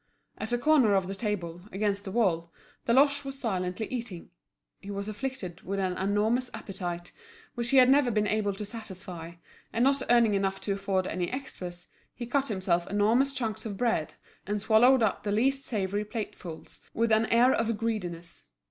At a corner of the table, against the wall, Deloche was silently eating. He was afflicted with an enormous appetite, which he had never been able to satisfy, and not earning enough to afford any extras, he cut himself enormous chunks of bread, and swallowed up the least savoury platefuls, with an air of greediness.